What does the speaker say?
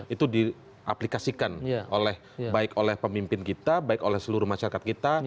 itu diaplikasikan oleh baik oleh pemimpin kita baik oleh seluruh masyarakat kita